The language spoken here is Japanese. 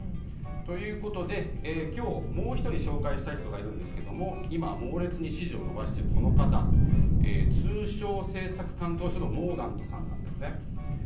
ということで今日、もう１人紹介したい人がいますが今、猛烈に支持を伸ばしている通商政策担当相のモーダントさんなんです。